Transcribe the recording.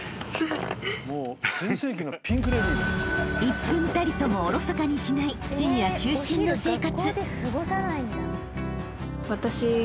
［１分たりともおろそかにしないフィギュア中心の生活］